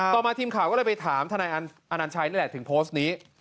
มาทีมข่าวก็เลยไปถามทนายอนัญชัยนี่แหละถึงโพสต์นี้